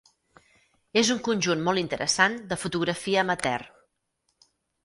És un conjunt molt interessant de fotografia amateur.